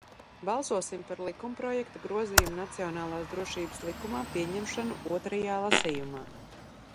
"Balsosim par likumprojekta "Grozījumi Nacionālās drošības likumā" pieņemšanu otrajā lasījumā!"